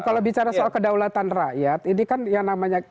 kalau bicara soal kedaulatan rakyat ini kan yang namanya